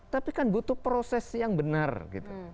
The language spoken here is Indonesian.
tapi kan butuh proses yang benar gitu